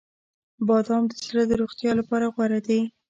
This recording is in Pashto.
• بادام د زړه د روغتیا لپاره غوره دي.